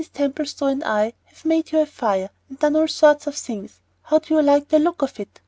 Templestowe and I have made you a fire and done all sorts of things. How do you like the look of it?